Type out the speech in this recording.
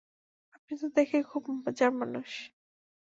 আপনি তো দেখি খুব মজার মানুষ!